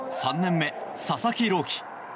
３年目、佐々木朗希。